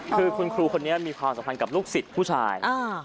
คือคุณครูคนนี้มีความสัมพันธ์กับลูกศิษย์ผู้ชาย